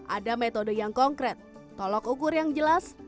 ada metode yang konkret tolok ukur yang jelas